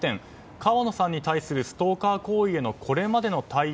川野さんに対するストーカー行為へのこれまでの対応